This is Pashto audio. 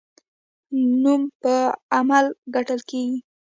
نوم په عمل ګټل کیږي